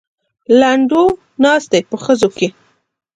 لنډو ناست دی په خزو کې.